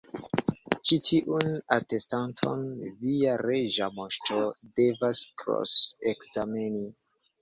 "Ĉi tiun atestanton via Reĝa Moŝto devas kros-ekzameni.